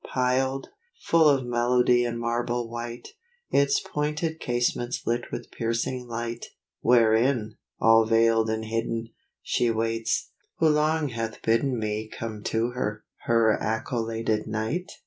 Piled, full of melody and marble white, Its pointed casements lit with piercing light: Wherein, all veiled and hidden, She waits, who long hath bidden Me come to her, her accoladed knight?